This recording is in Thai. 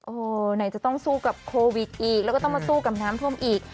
โอ้โหไหนจะต้องสู้กับโควิดอีกแล้วก็ต้องมาสู้กับน้ำท่วมอีก